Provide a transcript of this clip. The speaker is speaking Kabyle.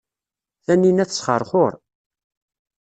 Taninna tesxerxur.